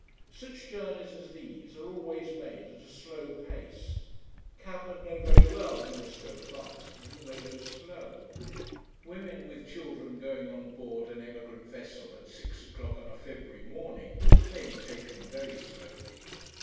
Such journeys as these are always made at a slow pace. Cabmen know very well who must go fast, and who may go slow. Women with children going on board an emigrant vessel at six o'clock on a February morning may be taken very slowly.